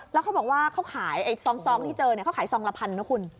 แล้วเขาบอกว่าเขาขายซองที่เจอเขาขายซองละพันนะคุณ